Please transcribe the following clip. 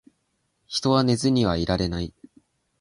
人は寝ずにはいられない